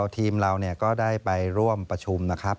ทีมเราก็ได้ไปร่วมประชุมนะครับ